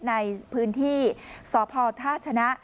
ในพื้นที่สพท่าชนะ